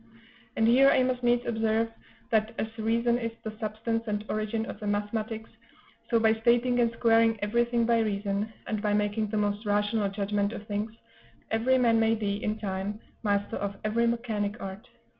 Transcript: And here I must needs observe that, as reason is the substance and origin of the mathematics, so by stating and squaring everything by reason, and by making the most rational judgment of things, every man may be, in time, master of every mechanic art.